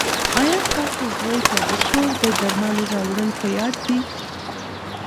ایا ستاسو زوی ته د کور د درملو راوړل په یاد دي؟